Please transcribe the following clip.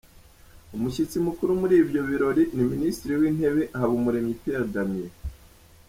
Umushyitsi mukuru muri ibyo birori ni Minisitiri w’Intebe Habumuremyi Pierre Damien.